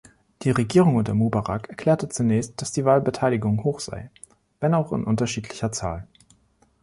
Die Regierung unter Mubarak erklärte zunächst, dass die Wahlbeteiligung hoch sei, wenn auch in unterschiedlicher Zahl.